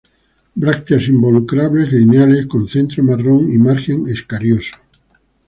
Brácteas involucrales lineales, con centro marrón y margen escarioso.